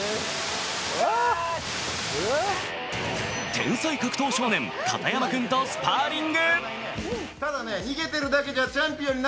天才格闘少年・片山君とスパーリング。